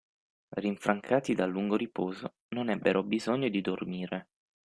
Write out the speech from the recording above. Rinfrancati dal lungo riposo, non ebbero bisogno di dormire.